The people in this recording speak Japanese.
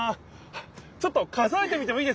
ちょっと数えてみてもいいですか？